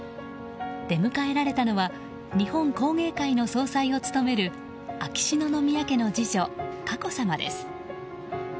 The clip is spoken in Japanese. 出迎えられたのは日本工芸会の総裁を務める秋篠宮家の次女・佳子さまです。